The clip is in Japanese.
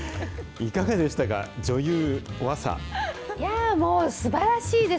いかがでしたか、女優、おアもうすばらしいです。